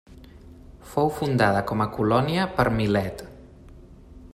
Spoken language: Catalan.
Fou fundada com a colònia per Milet.